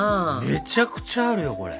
めちゃくちゃあるよこれ。